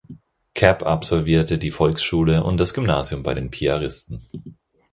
Cap absolvierte die Volksschule und das Gymnasium bei den Piaristen.